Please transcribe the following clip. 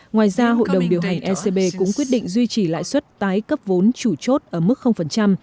ngoài ra hội đồng điều hành ecb cũng quyết định duy trì lãi suất tái cấp vốn chủ chốt ở mức